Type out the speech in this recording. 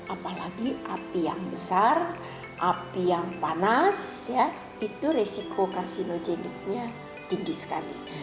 apalagi api yang besar api yang panas itu resiko karsinogeniknya tinggi sekali